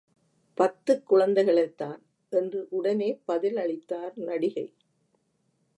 பத்து குழந்தைகளைத்தான்! என்று உடனே பதில் அளித்தார் நடிகை.